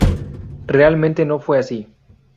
Realmente no fue así".